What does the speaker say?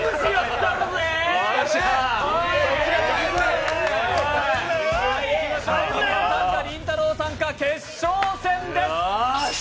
たけるさんとりんたろーさん決勝戦です。